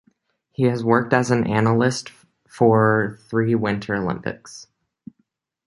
He has worked as an analyst for three Winter Olympics.